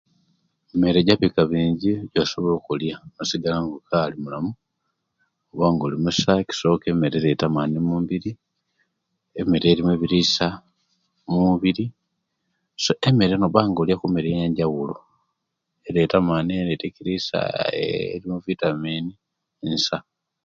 Mere gye bika bingi ejosobola okulya nosigala nga okaali mulamu oba nga oli Musa ekisooka emeere ereta amaani omumubiri, emere erimu ebilisya omumubiri so emere nobanga olya okumeere yenjabulo emere ereta ekilisya, elimu evitamin nsa.